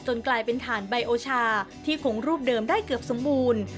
กลายเป็นถ่านใบโอชาที่คงรูปเดิมได้เกือบสมบูรณ์